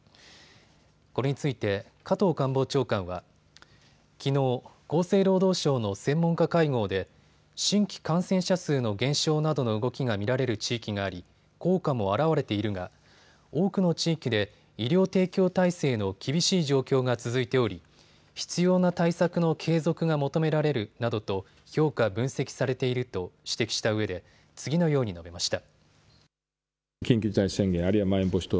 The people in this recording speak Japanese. これについて加藤官房長官はきのう厚生労働省の専門家会合で新規感染者数の減少などの動きが見られる地域があり効果も表れているが多くの地域で医療提供体制の厳しい状況が続いており必要な対策の継続が求められるなどと評価・分析されていると指摘したうえで次のように述べました。